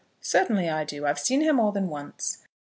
"Certainly I do. I've seen her more than once."